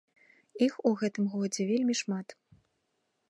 Іх у гэтым годзе вельмі шмат!